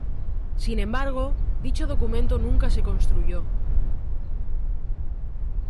Sin embargo, dicho monumento nunca se construyó.